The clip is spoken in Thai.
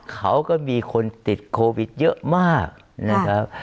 เขาก็มีคนติดโควิดเยอะมากนะครับ